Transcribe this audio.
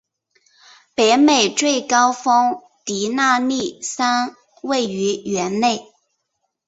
北美最高峰迪纳利山位于园内。